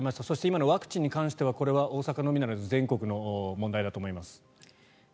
そして今のワクチンに関してはこれは大阪のみならず全国の問題だと思います。